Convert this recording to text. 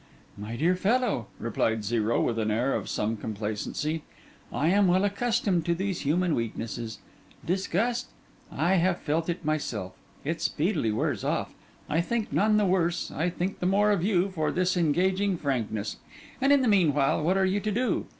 'My dear fellow,' replied Zero, with an air of some complacency, 'I am well accustomed to these human weaknesses. Disgust? I have felt it myself; it speedily wears off. I think none the worse, I think the more of you, for this engaging frankness. And in the meanwhile, what are you to do?